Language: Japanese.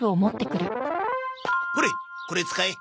ほれこれ使え。